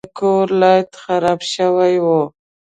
د کور لایټ خراب شوی و.